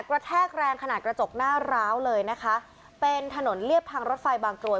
แทกแรงขนาดกระจกหน้าร้าวเลยนะคะเป็นถนนเรียบทางรถไฟบางกรวย